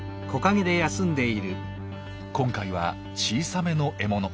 今回は小さめの獲物。